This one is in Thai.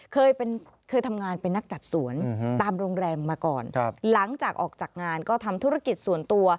เคยเป็นเคยทำงานเป็นนักจัดสวนตามโรงแรมมาก่อนหลังจากออกจากงานก็ทำธุรกิจส่วนตัว